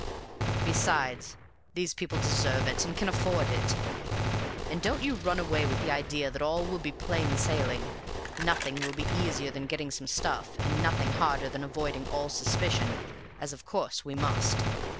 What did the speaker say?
Besides, these people deserve it, and can afford it. And don't you run away with the idea that all will be plain sailing; nothing will be easier than getting some stuff, and nothing harder than avoiding all suspicion, as, of course, we must.